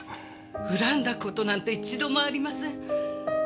恨んだ事なんて一度もありません。